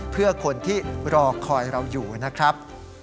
เพื่อคนที่รอคอยเราอยู่นะครับ